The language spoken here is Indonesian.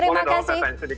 boleh dong saya tanya sedikit